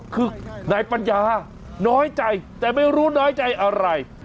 คือนายปัญญาน้อยใจแต่ไม่รู้น้อยใจอะไร